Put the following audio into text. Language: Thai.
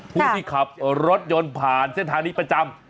ผู้ที่ขับรถยนต์ผ่านเส้นทางนี้ประจำ